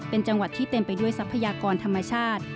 เป็นจังหวัดที่เต็มไปด้วยทรัพยากรธรรมชาติ